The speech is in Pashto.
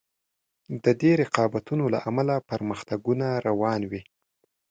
د دې رقابتونو له امله پرمختګونه روان وي.